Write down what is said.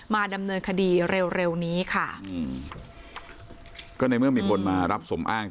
ดำเนินคดีเร็วเร็วนี้ค่ะอืมก็ในเมื่อมีคนมารับสมอ้าง